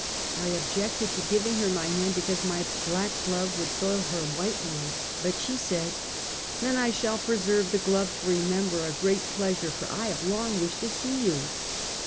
I objected to giv ing her my hand because my black glove would soil her white one; but she said: " Then I shall preserve the glove to remember a great pleasure, for 1 have long wished to see you."